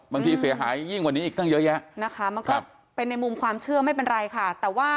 บางทีเสียหายยิ่งกว่านี้อีกตั้งเยอะแยะนะคะมันก็เป็นในมุมความเชื่อไม่เป็นไรค่ะแต่ว่า